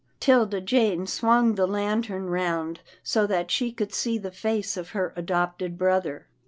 " 'Tilda Jane swung the lantern round so that she could see the face of her adopted brother.